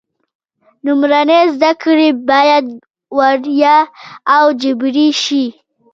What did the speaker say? لومړنۍ زده کړې باید وړیا او جبري شي.